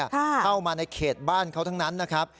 เข้ามาในเขตบ้านเขาทั้งนั้นนะครับ